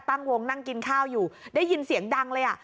ตั้งวงนั่งกินข้าวอยู่ได้ยินเสียงดังเลยอ่ะ